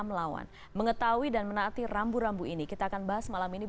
mas adi selamat malam